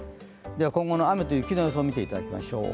今後の雨と雪の予想見ていただきましょう。